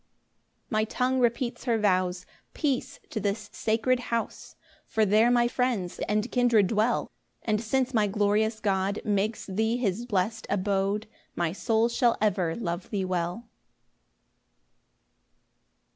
5 My tongue repeats her vows "Peace to this sacred house!" For there my friends and kindred dwell; And since my glorious God Makes thee his blest abode, My soul shall ever love thee well.